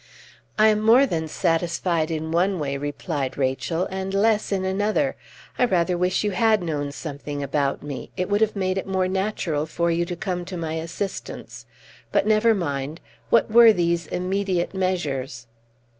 "I am more than satisfied, in one way," replied Rachel, "and less in another. I rather wish you had known something about me; it would have made it more natural for you to come to my assistance. But never mind. What were these immediate measures?"